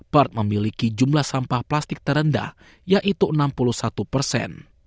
part memiliki jumlah sampah plastik terendah yaitu enam puluh satu persen